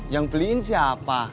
yang beliin siapa